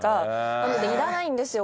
なのでいらないんですよ